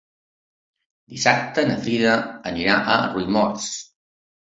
Dissabte na Frida irà a Riumors.